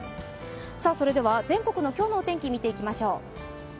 それでは全国の今日のお天気、見ていきましょう。